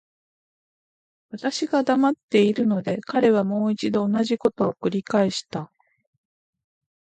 私が黙っているので、彼はもう一度同じことを繰返した。